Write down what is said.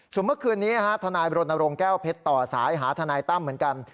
ส่วนเมื่อคืนนี้ทนายบรณรงค์แก้วเพชรต่อสายหาทนายตั้มเหมือนกัน